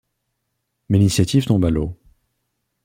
Mais l'initiative tombe à l'eau.